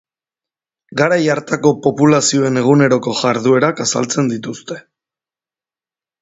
Garai hartako populazioen eguneroko jarduerak azaltzen dituzte.